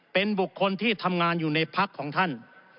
เป็นบุคคลที่ทำงานอยู่ในพักของท่าน